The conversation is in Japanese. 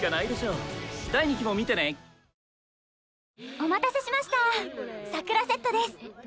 お待たせしました桜セットです。